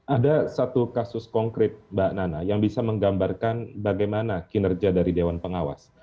ada satu kasus konkret mbak nana yang bisa menggambarkan bagaimana kinerja dari dewan pengawas